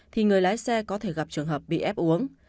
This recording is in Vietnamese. thì người lái xe có thể gặp trường hợp bị ép uống